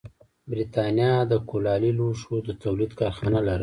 برېټانیا د کولالي لوښو د تولید کارخانې لرلې.